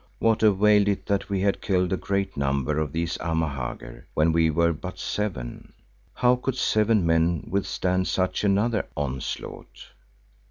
What availed it that we had killed a great number of these Amahagger, when we were but seven? How could seven men withstand such another onslaught?